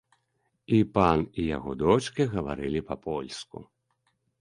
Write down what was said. І пан, і яго дочкі гаварылі па-польску.